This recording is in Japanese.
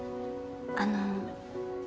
あの。